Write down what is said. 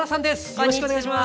よろしくお願いします。